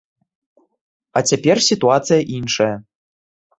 А цяпер сітуацыя іншая.